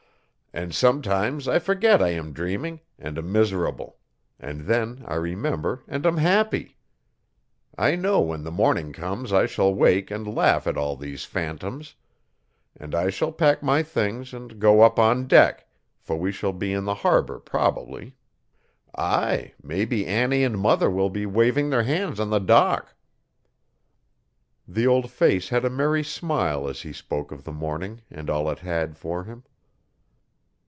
And sometimes I forget I am dreaming and am miserable, and then I remember and am happy. I know when the morning comes I shall wake and laugh at all these phantoms. And I shall pack my things and go up on deck, for we shall be in the harbour probably ay! maybe Annie and mother will be waving their hands on the dock! The old face had a merry smile as he spoke of the morning and all it had for him.